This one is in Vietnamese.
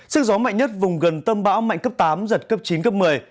sức gió mạnh nhất vùng gần tâm bão mạnh cấp tám giật cấp chín cấp một mươi